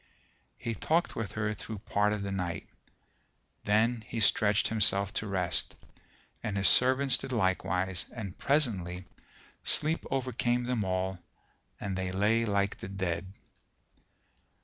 He talked with her through part of the night, then he stretched himself to rest: and his servants did likewise and presently sleep overcame them all and they lay like the dead.